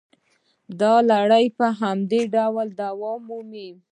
دا لړۍ په همدې ډول دوام مومي